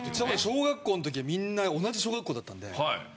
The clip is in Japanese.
小学校の時はみんな同じ小学校だったんで。